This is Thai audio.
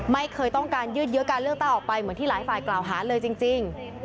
ไม่เคยต้องการยืดเยอะการเลือกตั้งออกไปเหมือนที่หลายฝ่ายกล่าวหาเลยจริง